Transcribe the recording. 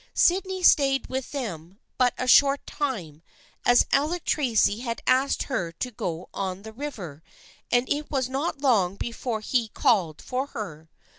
Sydney stayed with them but a short time as Alec Tracy had asked her to go on the river, and it was not long before he called for her.